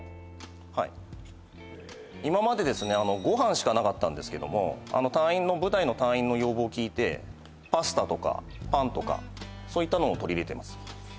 はい今までですねご飯しかなかったんですけども部隊の隊員の要望を聞いてパスタとかパンとかそういったのを取り入れてます